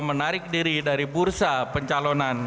menarik diri dari bursa pencalonan